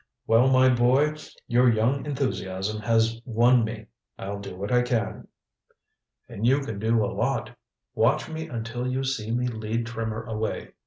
Well, my boy, your young enthusiasm has won me. I'll do what I can." "And you can do a lot. Watch me until you see me lead Trimmer away.